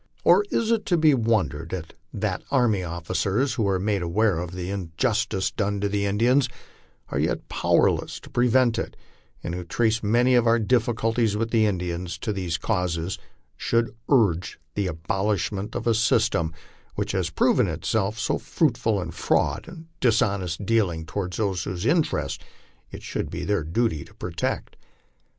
Or is it to be wondered at that army officers, who are often made aware of the in iustice done the Indian yet are powerless to prevent it, and who trace many of ^ur difficulties with the Indians to these causes, should urge the abolishment of a system which has proven itself so fruitful in fraud and dishonest dealing toward those whose interests it should be their duty to protect?